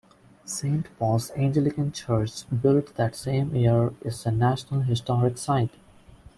Saint Paul's Anglican Church built that same year is a National Historic Site.